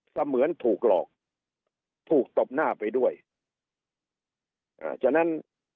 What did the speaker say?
เสมือนถูกหลอกถูกตบหน้าไปด้วยอ่าฉะนั้น